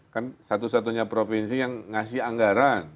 kan satu satunya provinsi yang ngasih anggaran